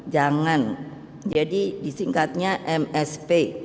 jangan jadi disingkatnya msp